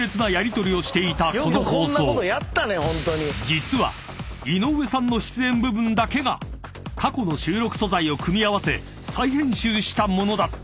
［実は井上さんの出演部分だけが過去の収録素材を組み合わせ再編集した物だった］